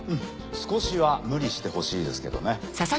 少しは無理してほしいですけどね。